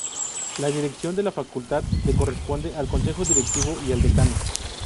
La dirección de la Facultad le corresponde al Consejo Directivo y al decano.